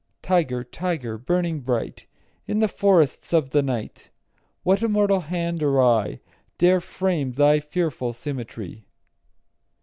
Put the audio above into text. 20 Tiger, tiger, burning bright In the forests of the night, What immortal hand or eye Dare frame thy fearful symmetry?